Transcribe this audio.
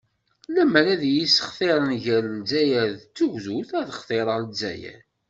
"Limer ad iyi-ssextiṛen gar Lezzayer d tugdut, ad xtireɣ Lezzayer."